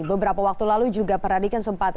beberapa waktu lalu juga peradi kan sempat